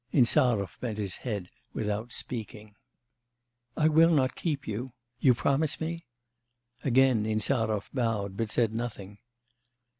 Insarov bent his head without speaking. 'I will not keep you.... You promise me?' Again Insarov bowed, but said nothing.